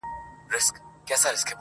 • دا وطن به همېشه اخته په ویر وي -